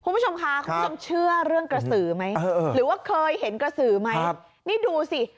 คุณผู้ชมค่ะคุณผู้ชมเชื่อเรื่องกระสือไหมหรือว่าเคยเห็นกระสือไหมนี่ดูสิ